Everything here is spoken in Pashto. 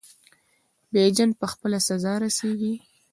بیژن په خپله سزا رسیږي.